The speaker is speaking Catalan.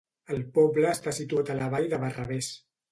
El poble està situat a la vall de Barravés.